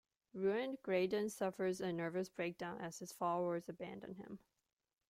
Ruined, Graydon suffers a nervous breakdown as his followers abandon him.